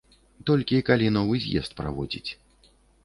Толькі калі новы з'езд праводзіць.